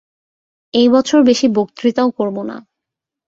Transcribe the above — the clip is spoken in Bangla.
এই বছর বেশী বক্তৃতাও করব না।